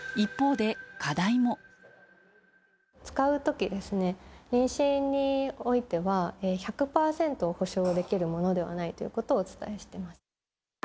使うときですね、妊娠においては１００％保証できるものではないということをお伝えしてます。